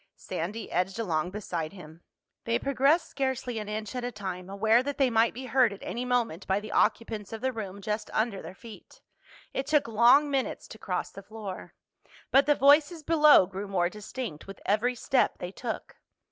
Sandy edged along beside him. They progressed scarcely an inch at a time, aware that they might be heard at any moment by the occupants of the room just under their feet. It took long minutes to cross the floor. But the voices below grew more distinct with every step they took.